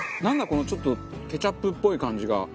このちょっとケチャップっぽい感じが。